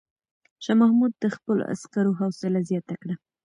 شاه محمود د خپلو عسکرو حوصله زیاته کړه.